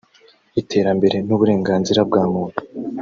iterambere n’uburenganzira bwa muntu